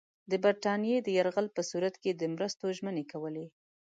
د برټانیې د یرغل په صورت کې د مرستو ژمنې کولې.